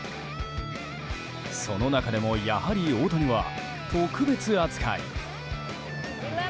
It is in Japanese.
その中でもやはり大谷は、特別扱い。